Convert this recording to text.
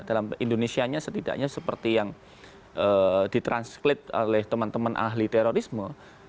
dalam indonesianya setidaknya seperti yang ditranskripsi oleh teman teman ahli terorisme